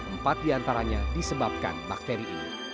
empat di antaranya disebabkan bakteri ini